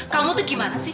kamu tuh gimana sih